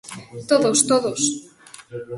¡Todos, todos!